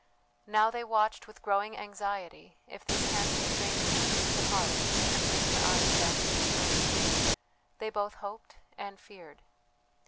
Now they watched with growing anxiety if this handsome stranger would move her heart and bring her eyes down to this earth. They both hoped and feared.